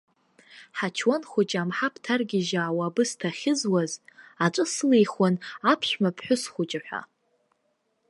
Ҳачуан хәыҷы амҳаԥ ҭаргьежьаауа абысҭа ахьызуаз, аҵәы сылихуан аԥшәма ԥҳәыс хәыҷы ҳәа.